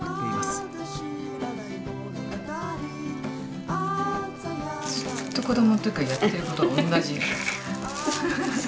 ずっと子どものときからやってることが同じ。